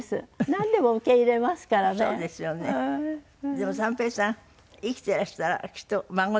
でも三平さん生きていらしたらきっと孫の事可愛がった。